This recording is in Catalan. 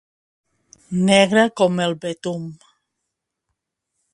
Negre com el betum.